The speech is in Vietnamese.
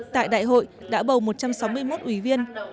tại đại hội đã bầu một trăm sáu mươi một ủy viên